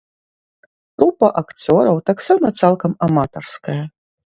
Трупа акцёраў таксама цалкам аматарская.